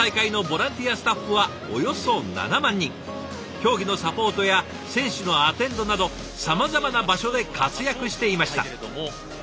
競技のサポートや選手のアテンドなどさまざまな場所で活躍していました。